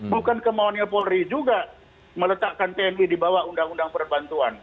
bukan kemauannya polri juga meletakkan tni di bawah undang undang perbantuan